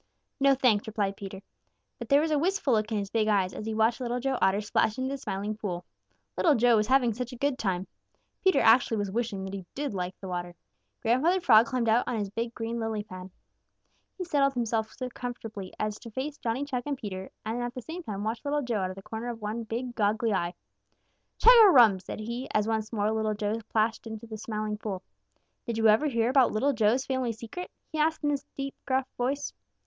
"No, thanks," replied Peter, but there was a wistful look in his big eyes as he watched Little Joe Otter splash into the Smiling Pool. Little Joe was having such a good time! Peter actually was wishing that he did like the water. Grandfather Frog climbed out on his big green lily pad. He settled himself comfortably so as to face Johnny Chuck and Peter and at the same time watch Little Joe out of the corner of one big, goggly eye. "Chug a rum!" said he, as once more Little Joe splashed into the Smiling Pool. "Did you ever hear about Little Joe's family secret?" he asked in his deep gruff voice.